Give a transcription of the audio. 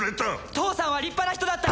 父さんは立派な人だった！